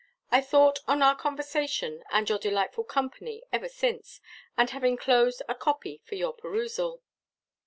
I thought on our conversation and your delightful company ever since, and have enclosed a copy for your perusal.